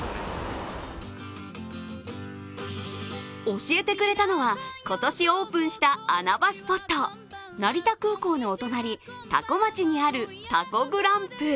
教えてくれたのは、今年オープンした穴場スポット成田空港のお隣、多古町にあるＴＡＣＯＧＬＡＭＰ。